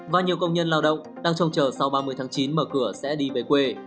và nhiều công nhân lao động đang trông chờ sau ba mươi tháng chín mở cửa sẽ đi về quê